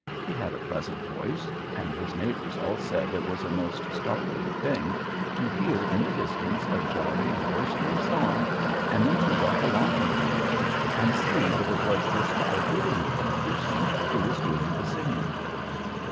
He had a pleasant voice, and his neighbors all said it was a most startling thing to hear in the distance a jolly, roistering song, and then to walk along a little way and see that it was this forbidding looking person who was doing the singing.